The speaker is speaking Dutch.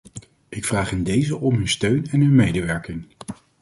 Ik vraag in dezen om hun steun en hun medewerking.